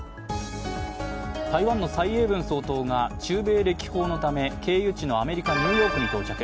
台湾の蔡英文総統が中米歴訪のため経由地のアメリカ・ニューヨークに到着。